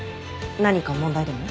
何か問題でも？